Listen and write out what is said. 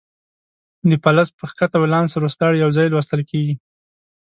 د فلز په ښکته ولانس روستاړي یو ځای لوستل کیږي.